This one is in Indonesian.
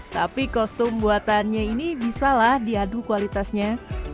tapi kostum buatannya ini bisalah diadu kualitasnya